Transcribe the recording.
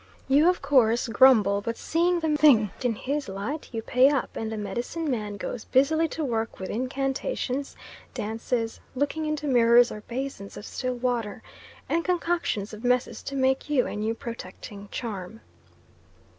You of course grumble, but seeing the thing in his light you pay up, and the medicine man goes busily to work with incantations, dances, looking into mirrors or basins of still water, and concoctions of messes to make you a new protecting charm.